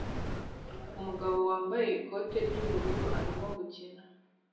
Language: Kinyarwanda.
Umugore wambaye ikote ry'ubururu arimo gukina